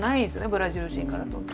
ブラジル人からだと。